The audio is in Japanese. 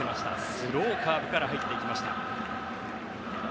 スローカーブから入ってきました。